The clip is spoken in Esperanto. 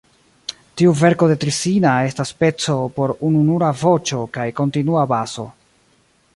Tiu verko de Trissina estas peco por ununura voĉo kaj kontinua baso.